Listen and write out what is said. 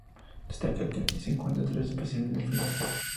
Destaca que aquí se encuentren tres especies de delfines.